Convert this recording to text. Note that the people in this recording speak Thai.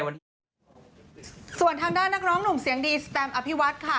ส่วนทางด้านนักร้องหนุ่มเสียงดีสแตมอภิวัฒน์ค่ะ